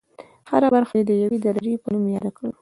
هره برخه یې د یوې درجې په نوم یاده کړه.